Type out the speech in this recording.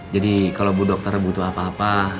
jadi kalau bu dokter butuh apa apa